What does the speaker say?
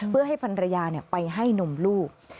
เพื่อให้พันรยาไปให้นมลูก